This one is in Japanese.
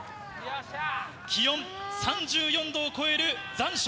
気温３４度を超える残暑。